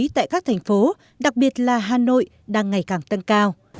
tại các thành phố đặc biệt là hà nội đang ngày càng tăng cao